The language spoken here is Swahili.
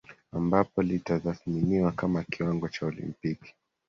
ambapo ilitathminiwa kama kiwango cha Olimpiki